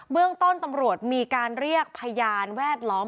เรื่องต้นตำรวจมีการเรียกพยานแวดล้อม